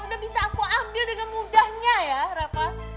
udah bisa aku ambil dengan mudahnya ya rako